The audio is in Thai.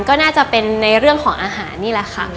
ก็น่าจะเป็นในเรื่องของอาหารนี่แหละค่ะ